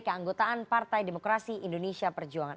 keanggotaan partai demokrasi indonesia perjuangan